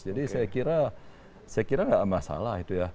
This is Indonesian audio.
jadi saya kira saya kira tidak masalah itu ya